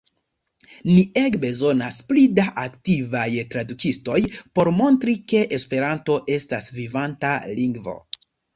Ni ege bezonas pli da aktivaj tradukistoj por montri ke Esperanto estas vivanta lingvo.